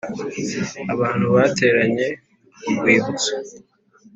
abantu bateranye ku Rwibutso